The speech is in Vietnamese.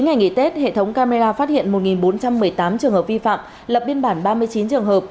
ngày nghỉ tết hệ thống camera phát hiện một bốn trăm một mươi tám trường hợp vi phạm lập biên bản ba mươi chín trường hợp